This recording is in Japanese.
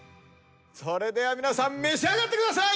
それでは皆さん召し上がってください。